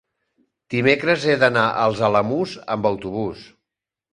dimecres he d'anar als Alamús amb autobús.